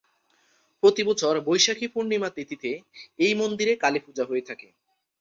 প্রতি বছর বৈশাখী পূর্ণিমা তিথিতে এই মন্দিরে কালীপূজা হয়ে থাকে।